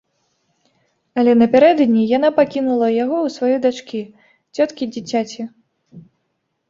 Але напярэдадні яна пакінула яго ў сваёй дачкі, цёткі дзіцяці.